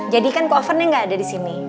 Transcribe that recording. jadikan covernya gak ada disini